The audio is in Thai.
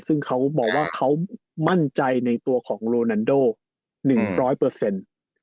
ซึ่งเขาบอกว่าเขามั่นใจในตัวของลูนดูล๑๐๐